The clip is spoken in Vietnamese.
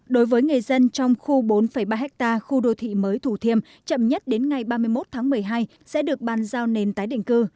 đối với người dân trong khu bốn ba ha khu đô thị mới thủ thiêm chậm nhất đến ngày ba mươi một tháng một mươi hai sẽ được bàn giao nền tái định cư